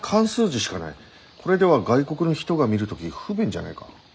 これでは外国の人が見る時不便じゃないか？